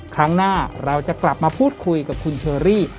ครั้งหน้าเราจะกลับมาพูดคุยกับคุณเชอรี่